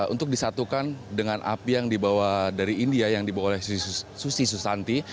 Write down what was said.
untuk disatukan dengan api yang dibawa dari india yang dibawa oleh susi susanti